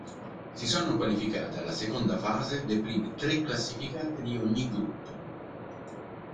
Si sono qualificate alla seconda fase le prime tre classificate di ogni gruppo.